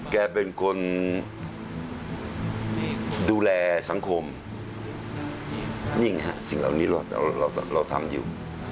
คุณเป็นคนดูแลสังคมนี่ไงคะสิ่งนี้เราทำอยู่